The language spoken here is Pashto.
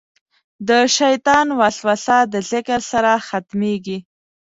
د شیطان وسوسه د ذکر سره ختمېږي.